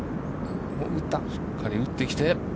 しっかり打ってきて。